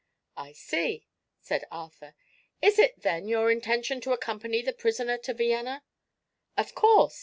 "I see." said Arthur. "Is it, then, your intention to accompany the prisoner to Vienna?" "Of course.